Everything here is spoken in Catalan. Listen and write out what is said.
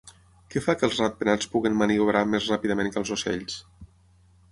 Què fa que els ratpenats puguin maniobrar més ràpidament que els ocells?